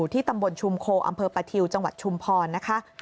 ที่ตำบลชุมโคอำเภอประทิวจังหวัดชุมพรนะคะ